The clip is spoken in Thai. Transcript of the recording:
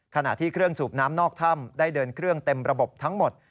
ขณะที่เครื่องสูบน้ำนอกถ้ำได้เดินเครื่องเต็มระบบทั้งหมด